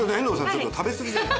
ちょっと食べすぎじゃない？